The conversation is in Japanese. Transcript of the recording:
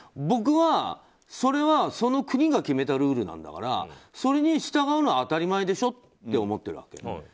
僕は、それはその国が決めたルールなんだからそれに従うのは当たり前でしょと思っているわけ。